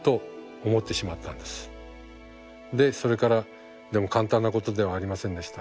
でそれからでも簡単なことではありませんでした。